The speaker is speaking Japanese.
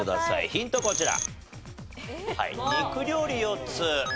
ヒントこちら。